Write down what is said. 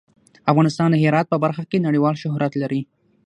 افغانستان د هرات په برخه کې نړیوال شهرت لري.